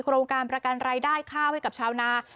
โรงการประกันรายได้ข้าวให้กับชาวนา